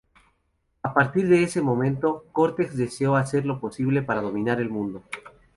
A partir de ese momento Cortex deseó hacer lo posible para dominar al mundo.